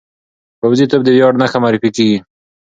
پوځي توب د ویاړ نښه معرفي کېږي.